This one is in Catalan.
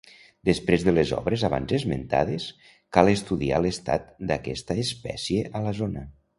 Després de les obres abans esmentades, cal estudiar l'estat d'aquesta espècie a la zona.